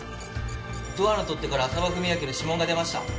ドアの取っ手から浅羽史明の指紋が出ました。